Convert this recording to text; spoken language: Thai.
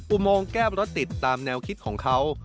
อุโมงแก้มรถติดตามแนวคิดของเขา